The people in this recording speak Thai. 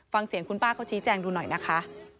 ฟังเสียงคุณป้าเขาชี้แจงดูหน่อยนะคะ